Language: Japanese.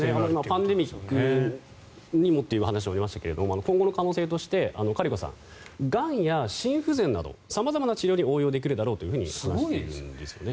パンデミックという話もありましたが今後の可能性としてカリコさんがんや心不全など様々な治療に応用できるだろうと話しているんですね。